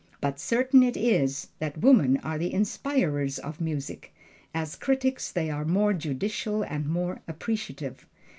But certain it is that women are the inspirers of music. As critics they are more judicial and more appreciative.